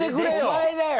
お前だよ！